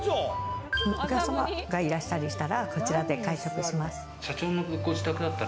お客様がいらっしゃったらこちらで会食します。